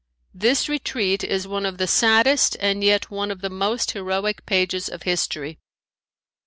This retreat is one of the saddest and yet one of the most heroic pages of history.